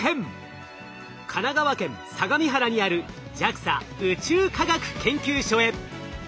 神奈川県相模原にあるＪＡＸＡ宇宙科学研究所へ！